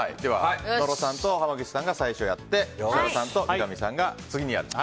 野呂さんと濱口さんが最初にやって設楽さんと三上さんがあとからやると。